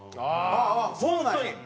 ああそうなんや。